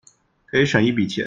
可以省一筆錢